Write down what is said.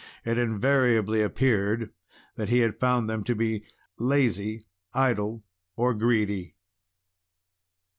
It invariably appeared that he had found them to be lazy, idle, or greedy.